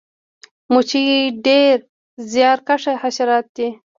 مچۍ ډیر زیارکښه حشرات دي